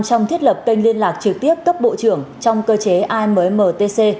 trong thiết lập kênh liên lạc trực tiếp cấp bộ trưởng trong cơ chế ammtc